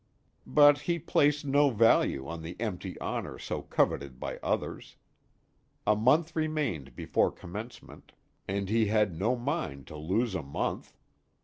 But he placed no value on the empty honor so coveted by others. A month remained before Commencement, and he had no mind to lose a month.